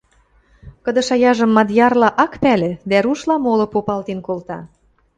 Кыды шаяжым мадьярла ак пӓлӹ дӓ рушла моло попалтен колта...